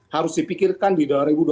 harus dipikirkan di dua ribu dua puluh